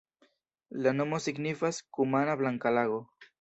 La nomo signifas kumana-blanka-lago.